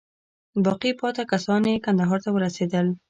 باقي پاته کسان یې کندهار ته ورسېدل.